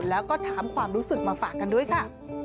แล้วก็ถามความรู้สึกมาฝากกันด้วยค่ะ